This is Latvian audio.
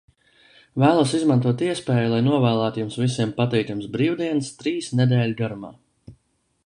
Vēlos izmantot iespēju, lai novēlētu jums visiem patīkamas brīvdienas trīs nedēļu garumā.